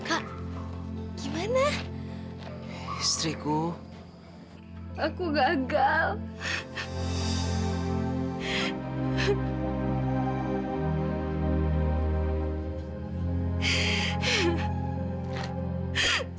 sekarang apa lagi yang harus aku lakukan dita